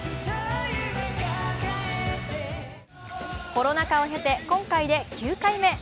コロナ禍を経て今回で９回目。